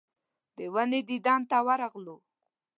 د ونې دیدن ته ورغلو.